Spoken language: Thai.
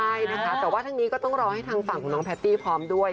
ใช่นะคะแต่ว่าทั้งนี้ก็ต้องรอให้ทางฝั่งของน้องแพตตี้พร้อมด้วย